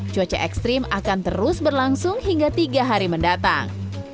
cuaca ekstrim akan terus berlangsung hingga tiga hari mendatang